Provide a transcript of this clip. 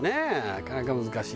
なかなか難しい。